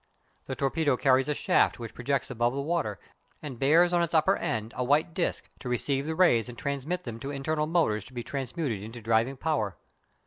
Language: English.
The torpedo carries a shaft which projects above the water, and bears on its upper end a white disc to receive the rays and transmit them to internal motors to be transmuted into driving power.